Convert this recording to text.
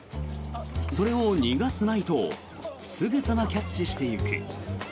それを逃がすまいとすぐさまキャッチしていく。